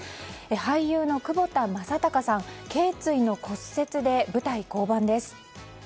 俳優の窪田正孝さん頸椎の骨折で舞台降板です。